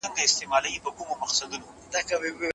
په څېړنه کې له منطقي تسلسل څخه کار واخلئ.